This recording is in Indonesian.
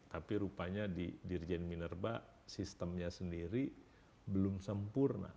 tapi rupanya di dirjen minerba sistemnya sendiri belum sempurna